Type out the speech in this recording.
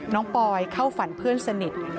ปอยเข้าฝันเพื่อนสนิท